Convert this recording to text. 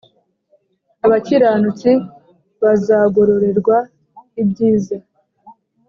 abakiranutsi bazagororerwa ibyiza